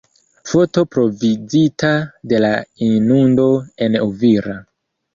Foto provizita de La inundo en Uvira.